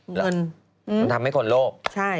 มันทำให้คนโลก